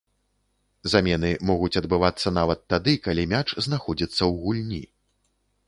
Замены могуць адбывацца нават тады, калі мяч знаходзіцца ў гульні.